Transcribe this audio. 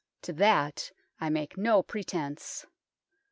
To that I make no pretence.